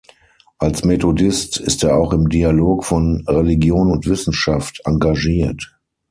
Als Methodist ist er auch im Dialog von Religion und Wissenschaft engagiert.